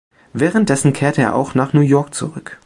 Währenddessen kehrte er auch nach New York zurück.